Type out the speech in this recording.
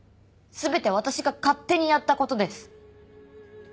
全て私が勝手にやった事です。